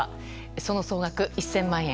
その総額１０００万円。